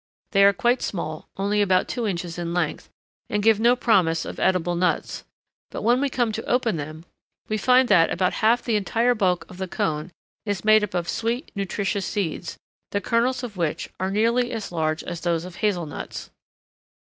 They are quite small, only about two inches in length, and give no promise of edible nuts; but when we come to open them, we find that about half the entire bulk of the cone is made up of sweet, nutritious seeds, the kernels of which are nearly as large as those of hazel nuts.